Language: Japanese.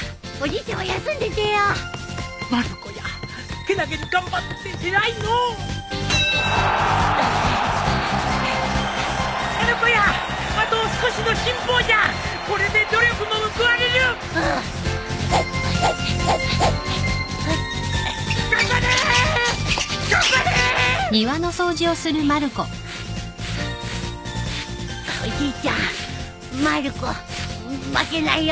おじいちゃんまる子負けないよ。